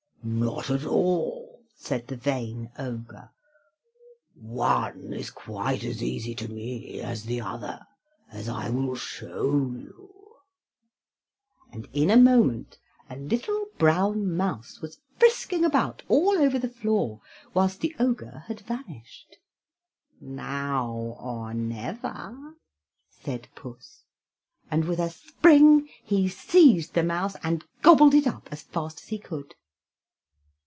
"Not at all," said the vain Ogre; "one is quite as easy to me as the other, as I will show you." And in a moment a little brown mouse was frisking about all over the floor, whilst the Ogre had vanished. "Now or never," said Puss, and with a spring he seized the mouse and gobbled it up as fast as he could.